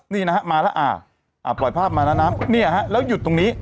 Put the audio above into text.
นี่นะฮะมาแล้วอ่าปล่อยภาพมานะน้ำเนี่ยฮะแล้วหยุดตรงนี้